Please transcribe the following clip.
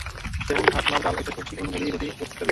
যেমন ভাত, মাছ, ডাল, একটা সবজি, কখনো মুড়ি, রুটি, ওটস ইত্যাদি।